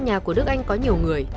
nhà của đức anh có nhiều người